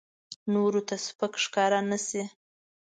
نورو ته سپک ښکاره نه شي.